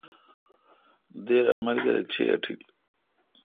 دِر املگر اے چے° اٹیل۔